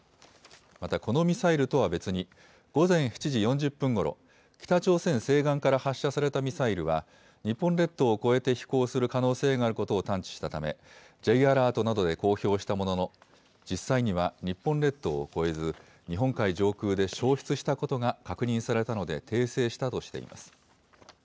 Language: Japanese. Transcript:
またこのミサイルとは別に、午前７時４０分ごろ、北朝鮮西岸から発射されたミサイルは、日本列島を越えて飛行する可能性があることを探知したため、Ｊアラートなどで公表したものの、実際には日本列島を越えず、日本海上空で焼失したことが確認されたので訂正したとしています。